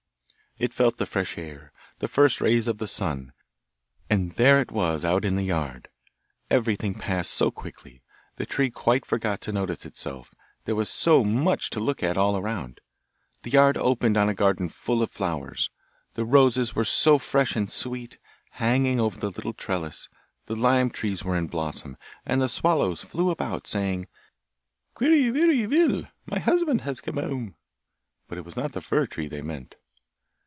It felt the fresh air, the first rays of the sun, and there it was out in the yard! Everything passed so quickly; the tree quite forgot to notice itself, there was so much to look at all around. The yard opened on a garden full of flowers; the roses were so fresh and sweet, hanging over a little trellis, the lime trees were in blossom, and the swallows flew about, saying: 'Quirre virre vil, my husband has come home;' but it was not the fir tree they meant.